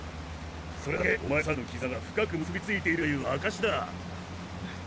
それだけお前さんたちの絆が深く結びついているという証しだ。